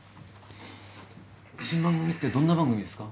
新番組ってどんな番組ですか？